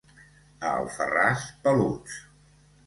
A Alfarràs, peluts.